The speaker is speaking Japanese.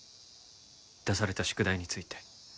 出された宿題について。